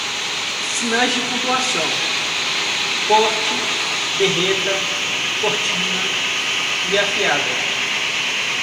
Sinais de pontuação: corte, derreta, cortina e afiada.